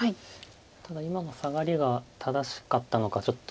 ただ今のサガリが正しかったのかちょっと。